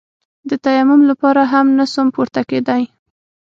د تيمم لپاره هم نسوم پورته کېداى.